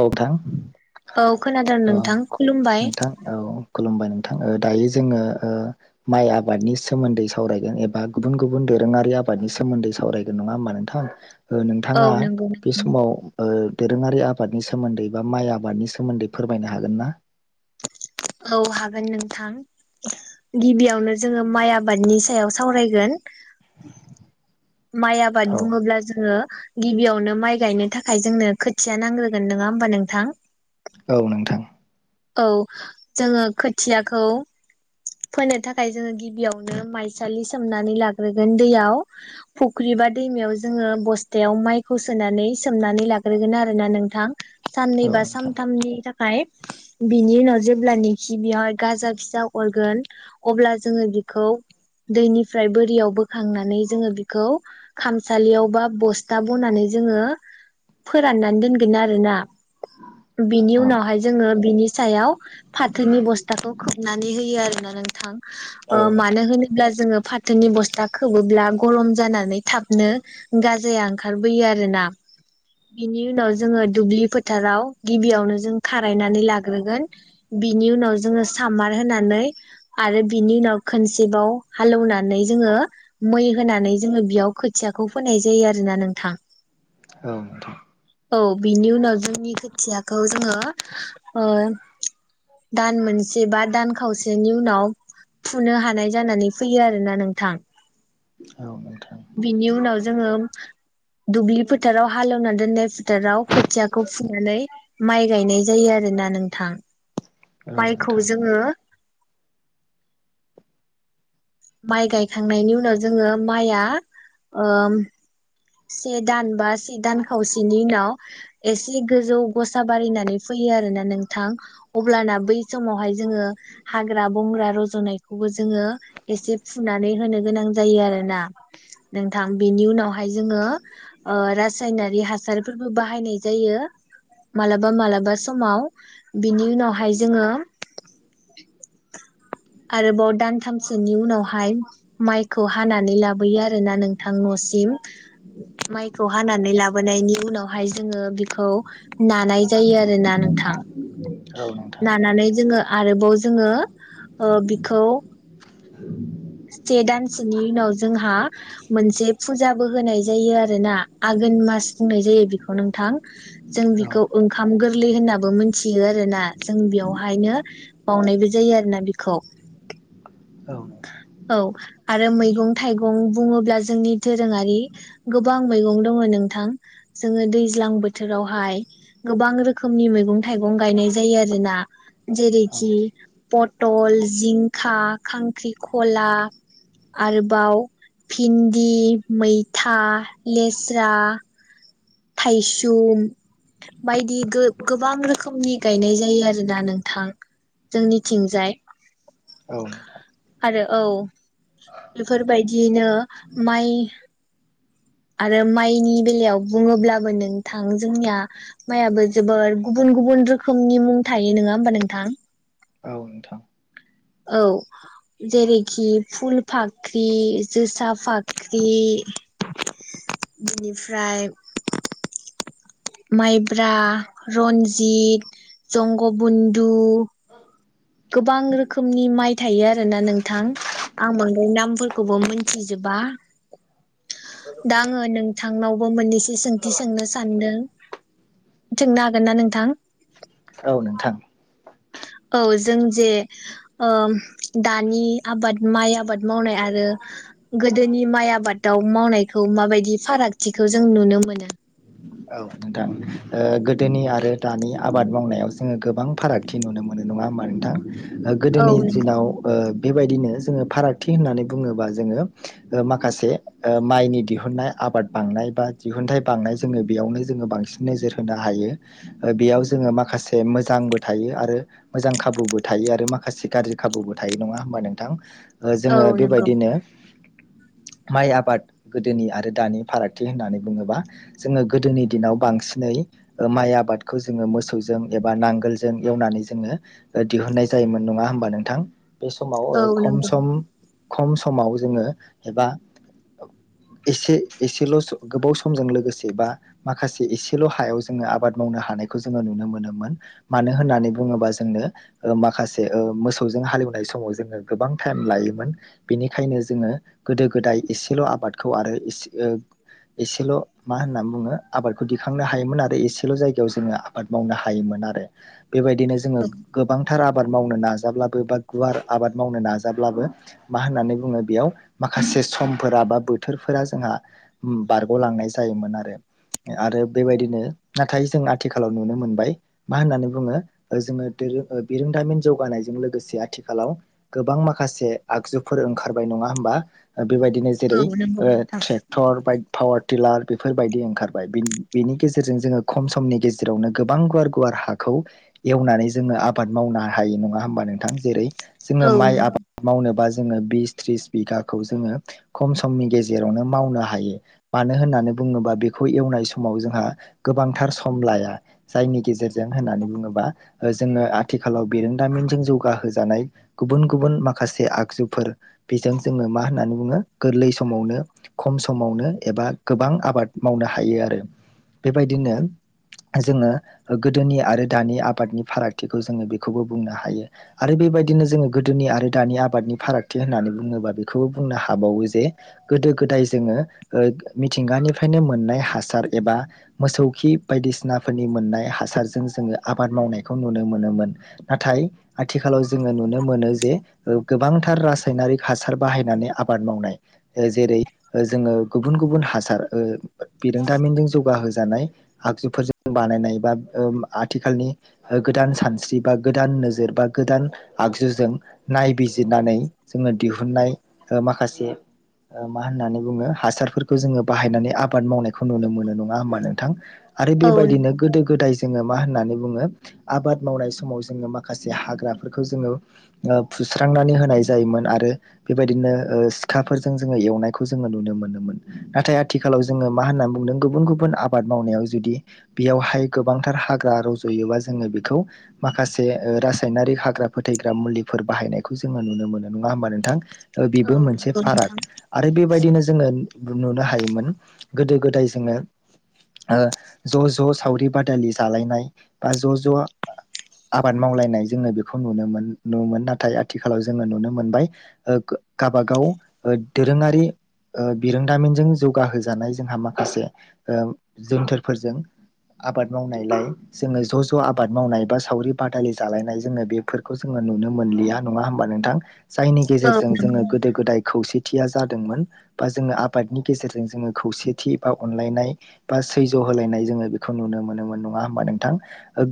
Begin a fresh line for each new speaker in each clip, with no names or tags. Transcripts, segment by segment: औ थां।
औ खोनादों नोंथां खुलुमबाय।
नोंथां औ खुलुमबाय नोंथां दायो जोङो ओ माइ आबादनि सोमोन्दै सावरायगोन एबा गुबुन गुबुन दोरोङारि आबादनि सोमोन्दै सावरायगोन नङा होमबा नोंथां? ओ
औ
नोंथाङा
नंगौ
बे
नोंथां
समाव ओ दोरोङारि आ आबादनि सोमोन्दै बा माइ आबादनि सोमोन्दै फोरमायनो हागोन ना?
औ हागोन नोंथां गिबियावनो जोङो माइ आबादनि सायाव सावरायगोन। माइ आबाद
औ
बुङोब्ला जोङो गिबियावनो माइ गायनो थाखाय जोंनो खोथिया नांग्रोगोन नङा होमबा नोंथां?
औ नोंथां।
औ जोङो खोथियाखौ फोनो थाखाय जोङो गिबियावनो माइसालि सोमनानै लाग्रोगोन दैयाव फुख्रि बा दैमायाव जोङो बस्थायाव माइखौ सोनानै सोमनानै लाग्रोगोन आरोना नोंथां। साननै
औ
बा
नोंथां
सानथामनि थाख माइ बिनि उनाव जेब्लानोखि बेयाव गाजा फिसा अरगोन अब्ला जोङो बिखौ दैनिफ्राय बोरियाव बोखांनानै जोङो बिखौ खामसालियाव बा बस्था बनानै जोङो फोराननानै दोनगोन आरोना। बिनि
औ
उनावहाय जोङो बिनि सायाव। फाथोनि बस्थाखौ खोबनानै होयो आरोना नोंथां
औ
ओ मानो
नोंथां
होनोब्ला जोङो फाथोनि बस्था खोबोब्ला गरम जानानै थाबनो गाजाया ओंखारबोयो आरोना बिनि उनाव जोङो दुब्लि फोथाराव गिबियावनो जों खारायनानै लाग ग्रोगोन बिनि उनाव जोङो सामार होनानै आरो बिनि उनाव खनसेबाव हालेवनानै जोङो मै होनानै जोङो बियाव खोथियाखौ फोनाय जायो आरो ना नोंथां।
औ नोंथां।
औ बिनि उनाव जोंनि खोथियाखौ जोङो ओ दान मोनसे बा दान खावसेनि उनाव फुनो हानाय जानानै फैयो आरोना नोंथां।
औ नोंथां
बिनि उनाव जोङो दुब्लि फोथाराव हालेवना दोननाय फोथाराव खोथियाखौ फुनानै माइ गायनाय जायो आ रोना नोंथां।
औ
माइखौ
नोंथां
जोङो माइ गायखांनायनि उनाव जोङो माइआ ओम से दान बा से दान खावसेनि उनाव एसे गोजौ गसा बारियनानै फैयो आरो ना नोंथां अब्लाना बै समावहाय जोङो हाग्रा-बंग्रा रज'नायखौबो जोङो एसे फुनानै होनो गोनां जायो आरोना नोंथां बेनि उनाव हायय जोङो ओ रायनारि हासारफोरबो बाहायनाय जायो मालाबा मालाबा समाव बिनि उनावहाय जोङो आरोबाव दानथामसोनि उनावहाय माइखौ हानानै लाबोयो आरो ना नोंथां न'सिम माइखौ हानानै लाबोनायनि उनावहाय जोङो बेखौ नानाय जायो आरो ना नोंथां।
औ नोंथां औ नोंथां
नानानै जोङो आरोबाव जोङो ओ बिखौ से दानसेनि उनाव जोंहा मोनसे फुजाबो होनाय जायो आरो ना आघोन मास बुंनाय जायो बेखौ नोंथां जों बेखौ ओंखाम गोरलै होननाबो मोनथियो आरोना जों बेयावहायनो बावनायबो जायो आरोना बेखौ । औ आरो मैगं थाइगं बुङोब्ला जोंनि दोरोङारि गोबां मैगं दङ नोंथां जोङो दैज्लां बोथोरावहाय गोबां रोखोमनि मैगं थाइगं गायनाय जायो आरोना
औ
जेरैखि पटल जिंखा खां ख्रिख'ला आरोबाव भिन्दि मैथा लेस्रा थायसुम बायदि गो-गोबां रोखोमनि गायनाय जायो आरोना नोंथां जोंनिथिंजाय।
औ नोंथां
आरो औ । बेफोरबायदियैनो माइ आरो माइनि बेलायाव बुङोब्लाबो नोंथां जोंनिया माइयाबो जोबोर गुबुन गुबुन रोखोमनि मुं थायो नङा होमबा नोंथां?
औ नोंथां।
औ जेरैखि फुल फाख्रि जोसा फाख्रि बिनिफ्राय माइब्रा रन्जित जंगबन्धु गोबां रोखोमनि माइ थायो आरोना नोंथां। आं बांद्राय नामफोर खौबो मिथिजोबा। दा आङो नोंथांनावबो मोननैसो सोंथि सोंनो सानदों। सोंनो हागोन ना नोंथां?
औ नोंथां।
औ जों जे ओ दानि आबाद माइ आबाद मावनाय आरो गोदोनि माइ आबादाव मावनायखौ माबायदि फारागथिखौ जों नुनो मोनो?
औ नोंथां ओ गोदोनि आरो दानि आबाद मावनायाव जोङो गोबां फारागथि नुनो मोनो नङा होमबा नोंथां? ओ
औ
गोदोनि
नंगौ
दिनाव ओ बेबायदिनो जोङो फारागथि होननानै बुङोबा जोङो ओ माखासे ओ माइनि दिहुननाय आबाद बांनाय बा दिहुनथाइ बांनाय जोङो बेयावनो जो बांसिन नोजोर होनो हायो ओ बेयाव जोङो माखासे मोजांबो थायो आरो मोजां खाबुबो थायो आरो माखासे गाज्रि खाबुबो थायो नङा होमबा नोंथां? ओ
औ
जोङो
नंगौ
बेबायदिनो माइ आबाद गोदोनि आरो दानि फारागथि होननानै बुङोबा जोङो गोदोनि दिनाव बांसिनै ओ माइ आबादखौ जोङो मोसौजों एबा नांगोलजों एवनानै जोङो दिहुनननाय जायोमोन नङा होमबा नोंथां? बे समाव
औ
खम
नंगौ
सम खम समाव जोङो एबा एसे एसेल' गोबाव समजों लोगोसे बा माखासे एसेल' हायाव जोङो आबाद मावनो हानायखौ जोङो नुनो मोनोमोन मानो होननानै बुङोबा जोंनो ओ माखासे ओ मोसौजों हालेवनाय समाव जोङो गोबां टाइम लायोमोन बेनिखायनो जोङो गोदो गोदाय एसेल' आबादखौ आरो इसे ओ एसेल' मा होननानै बुङो आबादखौ दिखांनो हायोमोन आरो एसेल' जायगायाव जोङो आबाद मावनो हायोमोन आरो। बेबायदिनो जोङो गोबांथार आबा आबाद मावनो नाजाब्लाबो बा गुवार आबाद मावनो नाजाब्लाबो मा होननानै बुङो बेयाव माखासे समफोरा बा बोथोरफोरा जोंहा बारग'लांनाय जायोमोन आरो । आरो बेबायदिनो नाथाय जों आथिखालाव नुनो मोनबाय मा होननानै बुङो जोङो दोर बिरोंदामिन जौगानायजों लोगोसे आथिखालाव गोबां माखासे आगजुफोर ओंखारबाय नङा होमबा? बेबायदिनो
औ
जेरै
नंगौ नोंथां
ट्रेक्टर बाइक पावार टिलार बेफोरबायदि ओंखारबाय बेनि गेजेरजों जोङो खम समनि गेजेरावनो गोबां गुवार गुवार हाखौ एवनानै जोङो आबाद मावनो हायो नङा होमबा नोंथां जेरै जोङो
औ
माइ
नंगौ
आबाद मावनोबा जों बिस थ्रिस बिगाखौ जोङो खम समनि गेजेरावनो मावनो हायो मानो होननानै बुङोबा बे खौ एवनाय समाव जोंहा गोबांथार सम लाया जायनि गेजेरजों होननानै बुङोबा जोङो आथिखालाव बेरोंदामिनजों जौगाहोजानाय गुबुन गुबुन माखासे आगजुफोर बेजों जोङो मा होननानै बुङो गोरलै समावनो खम समावनो एबा गोबां आबाद मावनो हायो आरो बेबायदिनो जोङो गोदोनि आरो दानि आबादनि फारागथिखौ जोङो बेखौबो बुंनो हायो आरो बेबायदिनो जोङो गोदोनि आरो दानि आबादनि फारागथि होननानै बुङोबा बेखौबो बुंनो हाबावो जे गोदो गोदाय जोङो मिथिंगानि फ्रायनो मोननाय हासार एबा मोसौ खि बायदिसिनाफोरनि मोननाय हासारजों जोङो आबाद मावनायखौ नुनो मोनोमोन नाथाय आथिखालाव जोङो नुनो मोनो जे गोबांथार रासायनारिक हासार बाहायनानै आबाद मावनाय जेरै जोङो गुबुन गुबुन हासार बिरोंदामिनजों जौगाहजानाय आगजुफोरजों बानायनाय बा आथिखालनि गोदान सानस्रि बा गोदान नोजोर बा गोदान आगजुजों नायबिजिरनानै जोङो दिहुनन्नाय माखासे मा होननानै बुङो हासारफोरखौ जोङो बाहायनानै आबाद मावनायखौ नुनो मोनो नङा होमबा नोंथां। आरो
औ
बेबायदिनो
नंगौ
गोदो गोदाय जोङो मा होननानै बुङो आबाद मावनाय समाव जोङो माखासे हाग्राफोरखौ जोङो फुस्रांनानै होनाय जायोमोन आरो बेबायदिनो सिखाफोरजों जोङो एवनायखौ जोङो नुनो मोनोमोन। नाथाय आथिखालाव जोङो मा होननानै बुंदों गुबुन गुबुन आबाद मावनायाव जुदि बेयावहाय गोबांथार हाग्रा रज'योबा जोङो बेखौ माखासे रासायनारिक हाग्रा फोथैग्रा मुलिफोर बाहायनायखौ जोङो नुनो मोनो नङा होमबा नोंथां। बेबो
औ
मोनसे
नंगौ
फाराग
नोंथां
आरो बेबायदिनो जोङो नुनो हायोमोन गोदो गोदाय जोङो ज' ज' सावरि बादालि जालायनाय बा ज' ज' आबाद मावलायनाय जोङो बेखौ नुनो नुोन नाथाय आथिखालाव जोङो नुनो मोनबाय गावाबागाव दोरोङारि बि दामिनजों जौगाह जानाय जोंहा माखासे जोनथोरफोरजों आबाद मावनायलाय जोङो ज' ज' आबाद मावनाय बा सावरि बादालि जालायनाय जोङो बेफोरखौ जोङो नुनो मोनलिया नङा होमबा नोंथां । जायनि
औ
गेजेरजों जोङो
नंगौ
गोदो गोदाय खौसेथिया जादोंमोन बा जोङो आबादनि गेजेरजों जोङो खौसेथि बा अनलायनाय बा सैज्य होलायनाय जोङो खौ नुनो मोनोमोन नङा होमबा नोंथां।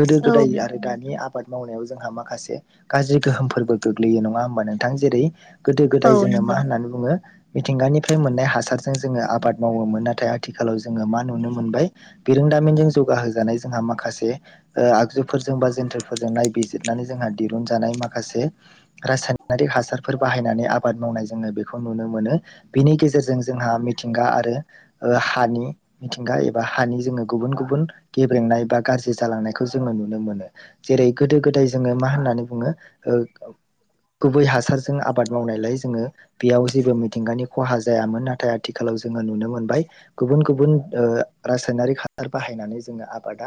गोदो
औ नंगौ औ
गोदाय आरो
नंगौ
दानि आबाद मावनायाव जोंहा माखासे गाज्रि गोहोमफोरबो गोग्लैयो नङा होमबा नोंथां जेरै गोदो गोदाय
औ
जोङो मा
नंगौ
होननानै बुङो मिथिंगानिफ्राय मोननाय हास हासारजों जोङो आबाद मावोमोन नाथाय आथिखालाव जोङो मा नुनो मोनबाय बिरोंदामिनजों जौगाहजानाय जोंहा माखासे आगजुफोरजों बा जेथोरफोरजों नायबिजिरनानै जोंहा दिरुनजानाय माखासे रासायनारिक हासारफोर बाहायनानै आबाद मावनाय जोङो बेखौ नुनो मोनो बेनि गेजेरजों जोंहा मिथिंगा आरो हानि मिथिंगा एबा हानि जोङो गुबुन गुबुन गेब्रेंनाय बबा गाज्रि जालांनायखौ जोङो नुनो मोनो जेरै गोदो गोदाय जोङो मा होननानै बुङो गुबै हासारजों आबाद मावनायलाय जोङो बेयाव जेबो मिथिंगानि खहा जायामोन नाथाय नाथाय आथिखालाव जोङो नुनो मोनबाय गुबुन गुबुन ओ रासायनारिक हासार बाहायनानै जोङो आबादा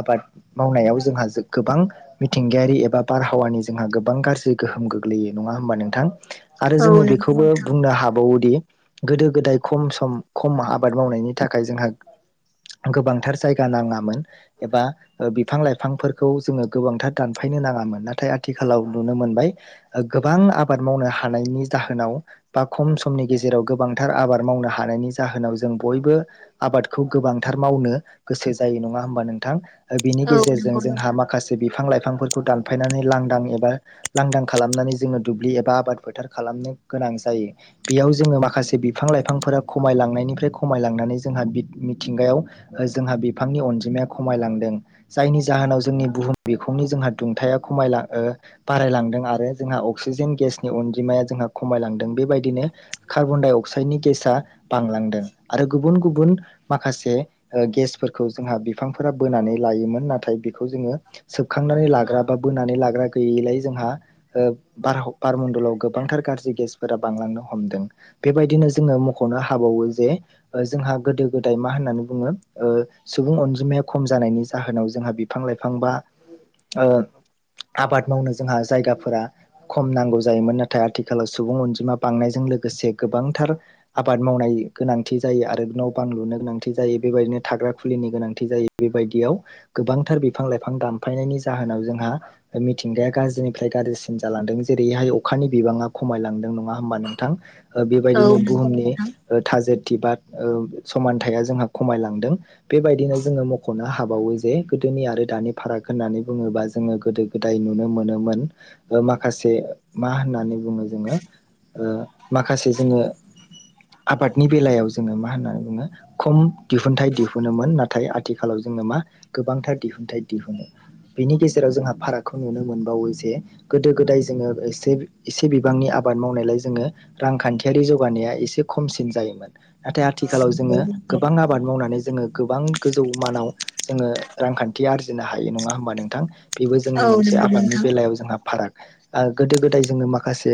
आबाद मावनायाव जोंहा गोबां मिथिंगायारि एबा बारहावानि जोंहा गोबां गाज्रि गोहोम गोग्लैयो नङा होमबा नोंथां। आरो
औ
जोङो बेखौबो बुंनो हाबावोदि गोदो गोदाय खम सम खम आबाद मावनायनि थाखाय जोंहा गोबांथार जायगा नाङामोन एबा बिफां लाइफांफोरखौ जोङो गोबांथार दानफायनो नाङामोन नाथाय आथिखालाव नुनो मोनबाय गोबां आबाद मावनो हानायनि जाहोनाव बा खम समनि गेजेराव गोबांथार आबाद मावनो हानायनि जाहोनाव बिनि गेजेरजों
नंगौ
जोंहा
नोंथां
माखासे बिफां लाइफांफोर खौ दानफायनानै लांदां एबा लांदां खालामनानै जोङो दुब्लि एबा आबाद फोथार खालामनो गोनां जायो बेयाव जोङो माखासे माखासे बिफां लाइफांफोरा खमायलांनायनिफ्राय खमायलांनानै जोंहा मिथिंगायाव जोंहा बिफांनि अनजिमाया खमायलांदों। जायनि जाहोनाव जोंनि बुहुम बेखौनि जोंहा दुंथाया खमायां बारायलांदों आरो जोंहा अक्सिजेन गेसनि अनजिमाया जोंहा खमायलांदों बेबायदिनो कार्बन दाइ अक्साइडनि गेसा बांलांदों आरो गुबुन गुबुन माखासे गेसफोरखौ जोंहा बिफांफोरा बोनानै लायोमोन नाथाय बेखौ जोङो सोबखांनानै लाग्रा बा बोनानै लाग्रा गैयैलाय जोंहा बार बारमडलाव गोबांथार गाज्रि गेसफोरा बांलांनो हमदों। बेबायदिनो जोङो मख'नो हाबावो जे जोंहा गोदो गोदाय मा होननानै बुङो सुबुं अनजिमाया खम जानायनि जाहोनाव जोंहा बिफां लाइफां बा आबाद मावनो जोंहा जायगाफोरा खम नांगौ जायोमोन नाथाय आथिखालाव सुबुं अनजिमा बांनायजों लोगोसे गोबांथार आबाद मावनाय गोनांथि जायो आरो न' बां लुनो गोनांथि जायो बेबायदिनो थाग्रा खुलिनि गोनांथि जायो बेबायदियाव गोबांथार बिफां लाइफां दानफायनायनि जाहोनाव जोंहा मिथिंगाया गाज्रिनिफ्राय गाज्रिसिन जालांदों जेरैहाय अखानि बिबाङा खमायलांदों नङा होमबा नोंथां।
औ
बेबायदिनो
नंगौ
बुहुमनि
नोंथां
थाजेद थि बा समानथाया जोंहा खमायलांदों बेबायदिनो जोङो मख'नो हाबावो जे गोदोनि आरो दानि फाराग होननानै बुङोबा जोङो गोदो गोदाय नुनो मोनोमोन माखासे मा होननानै बुङो जोङो। माखासे जोङो आबादनि बेलायाव जोङो मा होननानै बुङो खम दिहुनथाइ दिहुनोमोन नाथाय आथिखालाव जोङो मा गोबांथार दिहुनथाइ दिहुनो बेनि गेजेराव जोंहा फारागखौ नुनो मोनबावो जे गोदो गोदाय जोङो एसे एसे बिबांनि आबाद मावनायलाय जोङो। रांखान्थियारि जौगानाया एसे खमसिन जायोमोन नाथाय आथिखालाव
औ
जोङो गोबां आबाद मावनानै जोङो गोबां गोजौ मानाव जोङो रांखान्थि आरजिनो हायो नङा होमबा नोंथां? बेबो जोंनि मोनसे
नंगौ
आबादनि
नोंथां
बेलायाव जोंहा फाराग। ओ गोदो गोदाय जोङो माखासे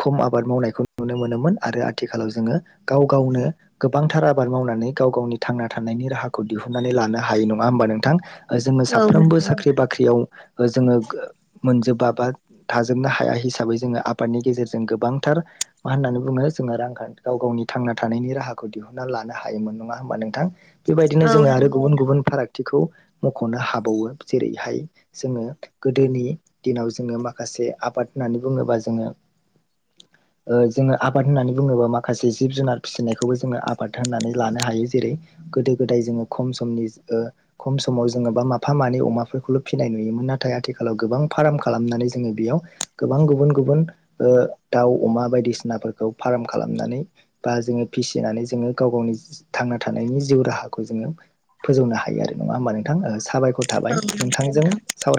खम आबाद मावनायखौ नुनो मोनोमोन आरो आथिखालाव जोङो गाव गावनो गोबांथार आबाद मावनानै गाव गावनि थांना थानायनि राहाखौ दिहुननानै लानो हायो नङा होमबा नोंथां? ओ जोङो साफ्रोमबो
औ नंगौ
साख्रि बाख्रियाव जोङो गो मोनजोब बाबा थाजोबनो हाया हिसाबै जोङो आबादनि गेजेरजों गोबां थार मा होननानै बुङो जोङो रांखान्थि गाव गावनि थांना थानायनि राहाखौ दिहुनना लानो हायोमोन नङा होमबा नोंथां? बेबायदिनो
औ
जोङो आरो गुबुन गुबुन फाराग खाथिखौ मख'नो हाबावो जेरैहाय जोङो गोदोनि दिनाव जोङो माखासे आबाद होननानै बुङोबा जोङो जोङो आबाद होननानै बुङोबा माखासे जिब जुनार फिसिनायखौबो जोङो आबाद होननानै लानो हायो जेरै गोदो गोदाय जोङो खम समनि खम समाव जोङो बा माफा मानै अमाफोरखौल' फिसिनाय नुयोमोन नाथाय आथिखालाव गोबां फार्म खालामनानै जोङो बेयाव गोबां गुबुन गुबुन दाउ अमा बायदिसिनाफोरखौ फार्म खालामनानै बा जोङो फिसिनानै जोङो गाव गावनि थांना थानायनि जिउ राहाखौ जोङो फोजौनो हायो आरो नङा होमबा नोंथां साबायखर। थाबाय
औ नंगौ
नोंथांजों
नोंथां
सावराय